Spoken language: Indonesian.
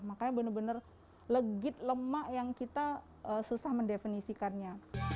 makanya benar benar legit lemak yang kita susah mendefinisikannya